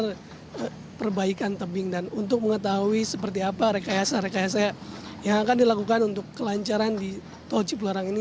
untuk perbaikan tebing dan untuk mengetahui seperti apa rekayasa rekayasa yang akan dilakukan untuk kelancaran di tol cipularang ini